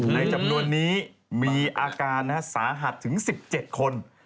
ในจำนวนนี้มีอาการสาหัสถึง๑๗คน